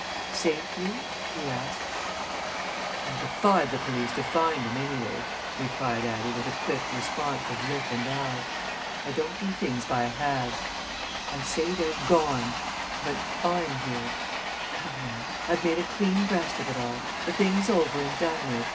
"Safely?" he asked. "I'll defy the police to find 'em, anyway," replied Addie with a quick response of lip and eye. "I don't do things by halves. I say they're gone! But I'm here. Come, now I've made a clean breast of it all. The thing's over and done with.